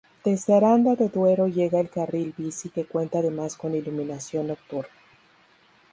Desde Aranda de Duero llega el carril bici que cuenta además con iluminación nocturna.